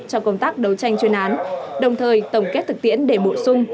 trong công tác đấu tranh chuyên án đồng thời tổng kết thực tiễn để bổ sung